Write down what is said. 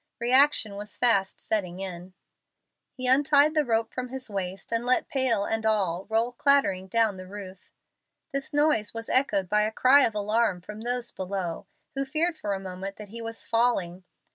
Reaction was fast setting in. He untied the rope from his waist, and let pail and all roll clattering down the roof. This noise was echoed by a cry of alarm from those below, who feared for a moment that he was falling.